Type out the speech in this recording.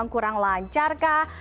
atau kurang lancar kah